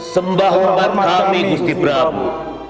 sembahum bat kami gusti brahmu